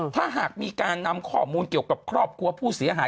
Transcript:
ถ้าหากมีการนำข้อมูลเกี่ยวกับครอบครัวผู้เสียหาย